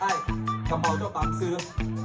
ไอ้ขเมาส์จ้าปังซื้อ